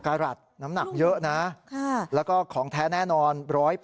กรัฐน้ำหนักเยอะนะแล้วก็ของแท้แน่นอน๑๐๐